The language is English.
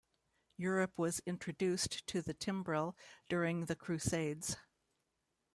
Europe was introduced to the timbrel during the crusades.